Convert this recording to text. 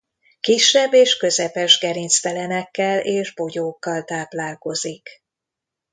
Kisebb és közepes gerinctelenekkel és bogyókkal táplálkozik.